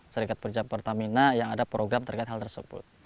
serikat pekerja pertamina yang ada program terkait hal tersebut